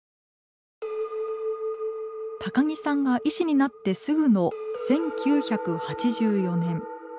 高木さんが医師になってすぐの１９８４年。